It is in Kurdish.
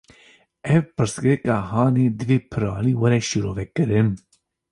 Ev pirsgirêka hanê, divê piralî were şîrovekirin